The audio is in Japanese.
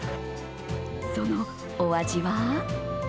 そのお味は？